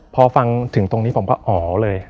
พอฟังถึงตรงนี้ผมก็อ๋อเลย